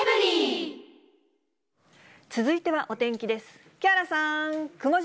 続いてはお天気です。